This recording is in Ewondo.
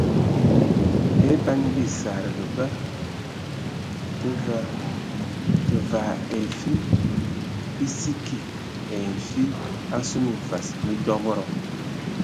E ban bisədəga bə tə vaa ai fim bi sə kig ai nfi asu minfas mi dɔbədɔ.